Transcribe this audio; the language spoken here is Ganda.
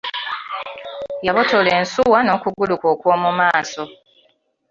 Yabotola ensuwa n'okugulu kwe okw'omu maaso.